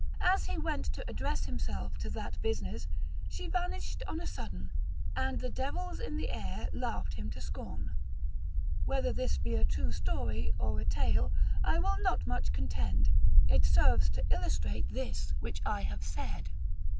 As he went to address himself to that business, she vanished on a sudden, and the devils in the air laughed him to scorn. Whether this be a true story, or a tale, I will not much contend, it serves to illustrate this which I have said.